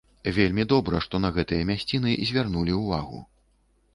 Вельмі добра, што на гэтыя мясціны звярнулі ўвагу.